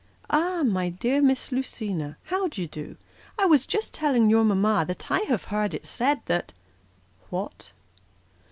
Ah, my dear Miss Lucina, how d'ye do ? I was just telling your mamma that I have heard it said, that "What?"